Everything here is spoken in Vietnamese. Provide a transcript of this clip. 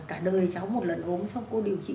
cả đời cháu một lần ốm xong cô điều trị